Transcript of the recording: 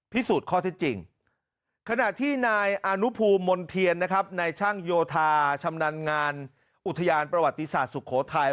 ข้อที่จริงขณะที่นายอนุภูมิมนเทียนนะครับนายช่างโยธาชำนาญงานอุทยานประวัติศาสตร์สุโขทัย